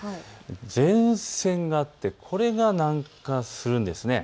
前線があって、これが南下するんです。